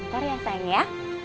mentor ya sayang ya